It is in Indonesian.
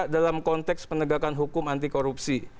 dalam konteks penegakan hukum anti korupsi